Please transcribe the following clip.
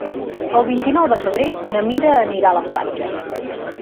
El vint-i-nou de febrer na Mira anirà a la platja.